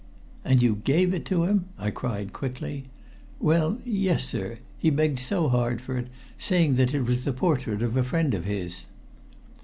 "And you gave it to him?" I cried quickly. "Well yes, sir. He begged so hard for it, saying that it was the portrait of a friend of his."